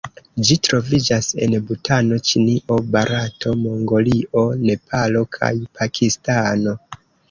Ĝi troviĝas en Butano, Ĉinio, Barato, Mongolio, Nepalo kaj Pakistano.